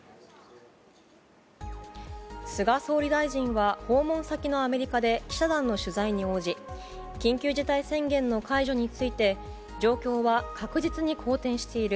菅総理大臣は訪問先のアメリカで記者団の取材に応じ緊急事態宣言の解除について状況は確実に好転している。